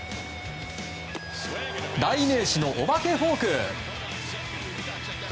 代名詞のお化けフォーク。